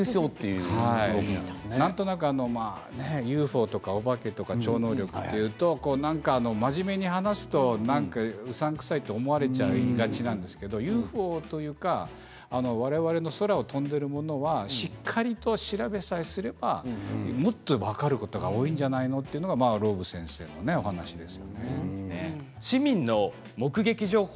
なんとなくＵＦＯとかお化け、超能力というと真面目に話すとうさんくさいと思われちゃいがちなんですけどＵＦＯというか我々の空を飛んでいるものはしっかりと調べさえすればもっと分かることが多いんじゃないの？というのが市民の目撃情報